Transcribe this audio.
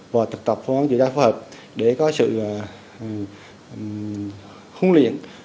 và thực tập phòng cháy chữa cháy phù hợp để có sự huấn luyện